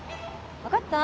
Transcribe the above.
分かった？